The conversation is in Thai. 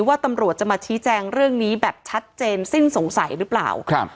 ว่าตำรวจจะมาชี้แจงเรื่องนี้แบบชัดเจนสิ้นสงสัยหรือเปล่าครับ